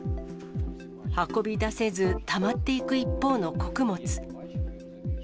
運び出せず、たまっていく一方の穀物。